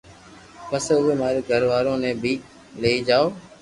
پسي اووي ماري گھر وارو ني بي لئي جاو